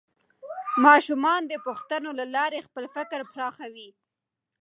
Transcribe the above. ماشومان د پوښتنو له لارې خپل فکر پراخوي